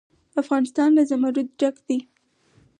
افغانستان له زمرد ډک دی.